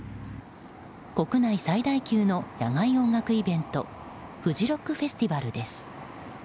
国内最大級の野外音楽イベントフジロックフェスティバルです。